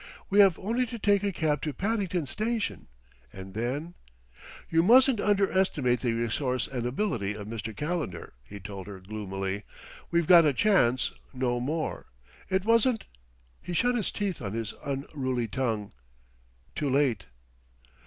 We have only to take a cab to Paddington Station, and then " "You mustn't underestimate the resource and ability of Mr. Calendar," he told her gloomily; "we've got a chance no more. It wasn't...." He shut his teeth on his unruly tongue too late.